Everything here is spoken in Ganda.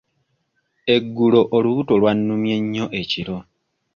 Eggulo olubuto lwannumye nnyo ekiro.